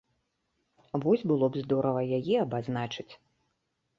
Вось было б здорава яе абазначыць.